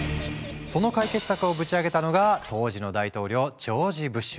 その解決策をぶち上げたのが当時の大統領ジョージ・ブッシュ。